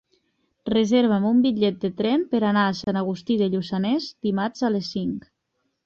Reserva'm un bitllet de tren per anar a Sant Agustí de Lluçanès dimarts a les cinc.